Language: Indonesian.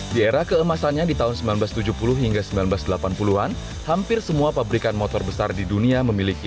di era keemasannya di tahun seribu sembilan ratus tujuh puluh hingga seribu sembilan ratus delapan puluh an hampir semua pabrikan motor besar di dunia memiliki